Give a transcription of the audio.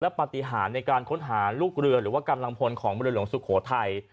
ปฏิหารในการค้นหาลูกเรือหรือว่ากำลังพลของเรือหลวงสุโขทัย